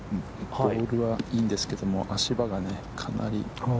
ボールはいいんですけども、足場がね、かなり。